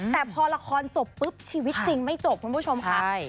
แต่พอละครจบปุ๊บชีวิตจริงไม่จบคุณผู้ชมค่ะ